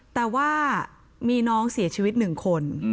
แต่ว่ามีน้องเสียชีวิต๑คน